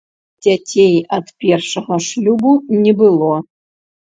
Дзяцей ад першага шлюбу не было.